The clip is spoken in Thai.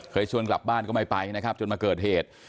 ชวนกลับบ้านก็ไม่ไปนะครับจนมาเกิดเหตุ